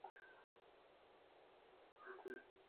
ছুরি-টুরি দিয়ে কাটা যায়, নাকি কুড়াল লাগে?